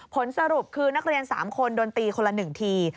ผลสรุปคือนักเรียน๓คนโดนตีคนละ๑ที